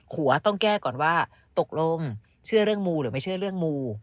หัวต้องแก้ก่อนว่าตกลงเชื่อเรื่องมูหรือไม่เชื่อเรื่องมู